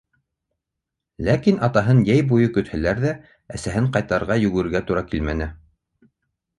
Ләкин атаһын йәй буйы көтһәләр ҙә, әсәһен ҡайтарырға йүгерергә тура килмәне.